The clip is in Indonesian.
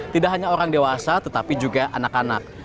tidak hanya orang dewasa tetapi juga anak anak